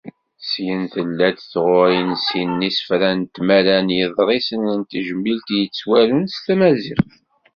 Syin tella-d tɣuri n sin n yisefra d tmara n yiḍrisen n tejmilt, yettwarun s Tmaziɣt.